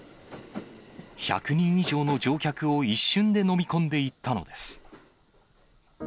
１００人以上の乗客を一瞬で飲み込んでいったのです。